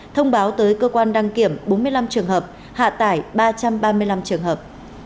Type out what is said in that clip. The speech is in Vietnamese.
thông báo tới cơ quan đăng kiểm bốn mươi năm trường hợp hạ tải ba trăm ba mươi năm trường hợp